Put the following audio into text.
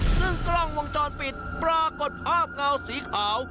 ซึ่งกล้องวงจรปิดปรากฏภาพเงาสีขาว